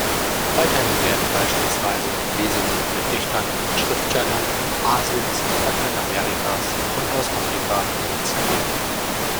Weiterhin werden beispielsweise Lesungen mit Dichtern und Schriftstellern Asiens, Lateinamerikas und aus Afrika initiiert.